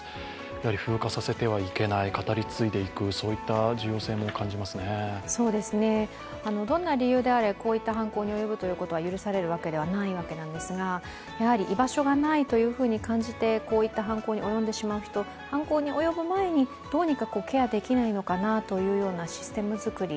やはり風化させてはいけない、語り継いでいく、どんな理由であれこういった犯行に及ぶことは許されることではないですが、やはり居場所がないというふうに感じて、こういった犯行に及んでしまう人、犯行に及ぶ前にどうにかケアできないのかなというシステム作り